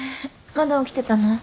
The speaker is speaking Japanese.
まだ起きてたの？